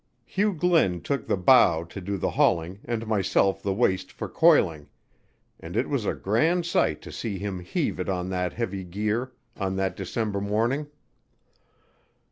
Hugh Glynn took the bow to do the hauling and myself the waist for coiling, and it was a grand sight to see him heave in on that heavy gear on that December morning.